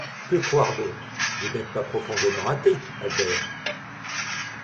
Que croire d’autre? Vous n’êtes pas profondément athée, Albert ?